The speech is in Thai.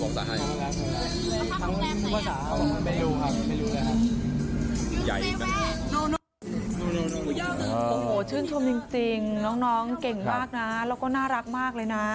โอ้โหชื่นชมจริงน้องเก่งมากนะแล้วก็น่ารักมากเลยนะ